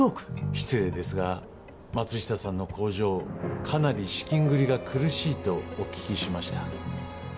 失礼ですが松下さんの工場かなり資金繰りが苦しいとお聞きしました。